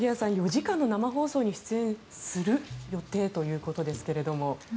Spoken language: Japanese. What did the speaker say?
４時間の生放送に出演する予定ということですが。